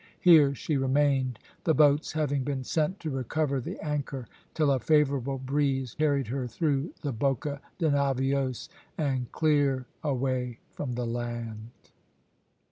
Here she remained, the boats having been sent to recover the anchor, till a favourable breeze carried her through the Boca de Navios, and clear away from the land.